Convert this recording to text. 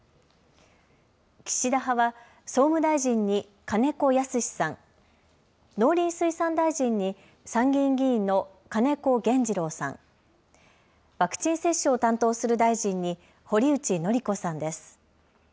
岸田派は総務大臣に金子恭之さん、農林水産大臣に参議院議員の金子原二郎さん、ワクチン接種を担当する大臣に堀内詔子さんです。